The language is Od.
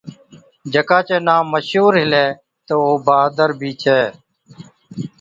جڪا چَي نان مشهُور هِلَي تہ او بهادر بِي ڇَي،